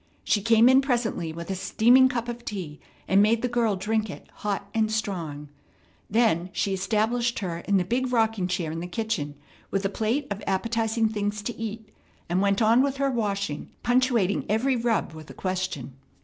She came in presently with a steaming cup of tea, and made the girl drink it hot and strong. Then she established her in the big rocking chair in the kitchen with a plate of appetizing things to eat, and went on with her washing, punctuating every rub with a question.